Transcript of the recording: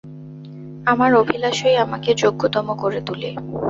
আমার অভিলাষই আমাকে যোগ্যতম করে তুলে।